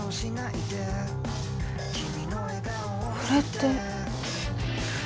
これって。